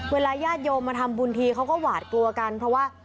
ญาติโยมมาทำบุญทีเขาก็หวาดกลัวกันเพราะว่า